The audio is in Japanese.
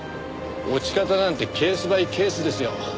落ち方なんてケース・バイ・ケースですよ。